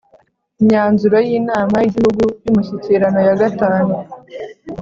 imyanzuro y inama y igihugu y umushyikirano ya gatanu